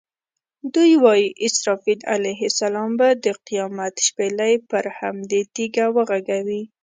دوی وایي اسرافیل علیه السلام به د قیامت شپېلۍ پر همدې تیږه وغږوي.